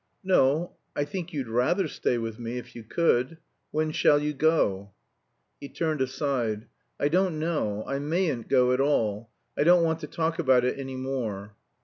"No. I think you'd rather stay with me if you could. When shall you go?" He turned aside. "I don't know. I mayn't go at all. I don't want to talk about it any more."